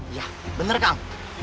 iya bener kang